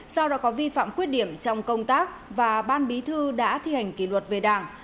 do đã có vi phạm quyết điểm trong công tác và ban bí thư đã thi hành kỷ luật về đảng